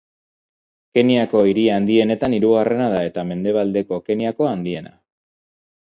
Kenyako hiri handienetan hirugarrena da, eta mendebaldeko Kenyako handiena.